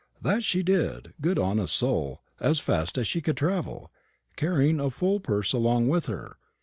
"That she did, good honest soul, as fast as she could travel, carrying a full purse along with her.